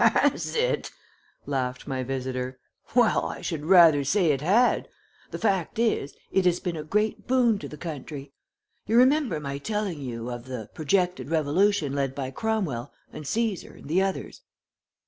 "Has it?" laughed my visitor; "well, I should rather say it had. The fact is, it has been a great boon to the country. You remember my telling you of the projected revolution led by Cromwell, and Caesar, and the others?"